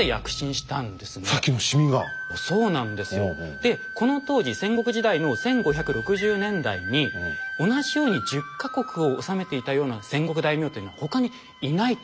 でこの当時戦国時代の１５６０年代に同じように１０か国を治めていたような戦国大名というのは他にいないと。